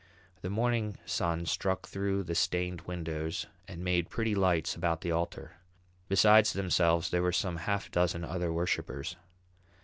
The morning sun struck through the stained windows and made pretty lights about the altar; besides themselves there were some half dozen other worshippers.